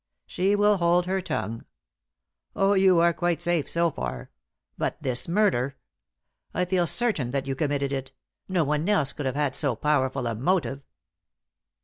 She will hold her tongue. Oh, you are quite safe so far. But this murder. I feel certain that you committed it; no one else could have had so powerful a motive."